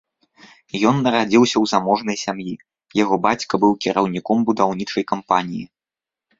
Ён нарадзіўся ў заможнай сям'і, яго бацька быў кіраўніком будаўнічай кампаніі.